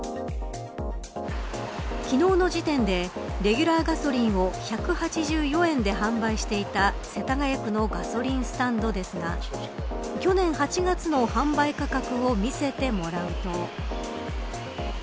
昨日の時点でレギュラーガソリンを１８４円で販売していた世田谷区のガソリンスタンドですが去年８月の販売価格を見せてもらうと。